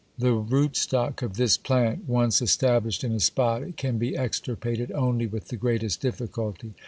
The rootstock of this plant once established in a spot, it can be extirpated only with the greatest difficulty.